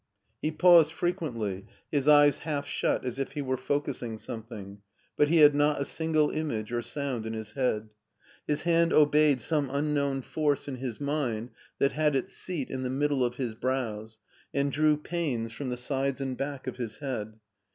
He paused frequently, his eyes half shut as if he were focusing something, but he had not a single image or sound in his head. His hand obeyed some unknown force in his mind that had its seat in the middle of his brows, and drew pains from the sides and back of his head.